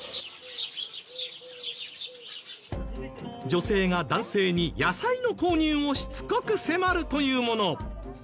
女性が男性に野菜の購入をしつこく迫るというもの。